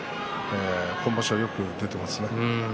今場所よく出ていますね。